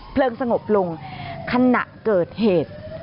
เพลิงสงบลงขณะเกิดเหตุ